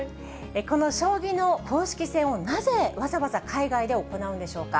この将棋の公式戦をなぜわざわざ海外で行うんでしょうか。